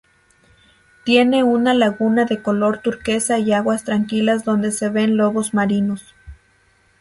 Tiene una laguna de color turquesa y aguas tranquilas donde se ven lobos marinos.